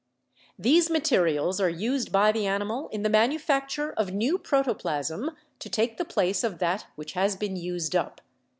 These materials are used by the animal in the manufacture of new protoplasm to take the place of that which has been used up.